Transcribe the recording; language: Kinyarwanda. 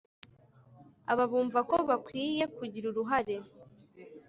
aba bumva ko bakwiye kugira uruhare